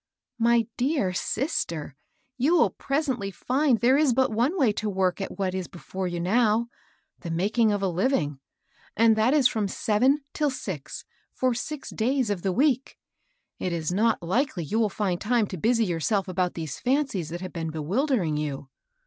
" My dear sister ! you will presently find there is but one way to work at what is before you now, — the making of a Kving, — and that is from sev en till six, for six days of the week. It is not likely you will find time to busy yourself about these fancies that have been bewildering you."